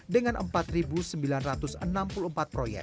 dengan empat sembilan ratus enam puluh empat proyek